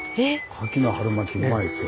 カキの春巻うまいですよ。